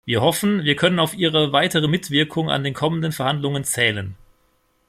Wir hoffen, wir können auf Ihre weitere Mitwirkung an den kommenden Verhandlungen zählen.